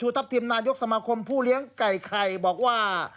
ทัพทิมนายกสมาคมผู้เลี้ยงไก่ไข่บอกว่า